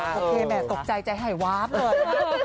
โอเคแม่ตกใจใจหายวาบเลย